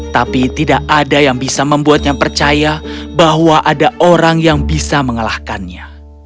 tapi tidak ada yang bisa membuatnya percaya bahwa ada orang yang bisa mengalahkannya